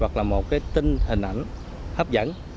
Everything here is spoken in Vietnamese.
hoặc là một tin hình ảnh hấp dẫn